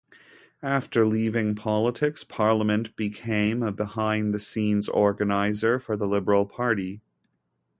After leaving politics, Parliament became a behind-the-scenes organizer for the Liberal Party.